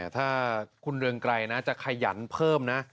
ถ้าคุณเรืองไกรจะขยันเพิ่มนะ